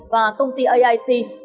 và công ty aic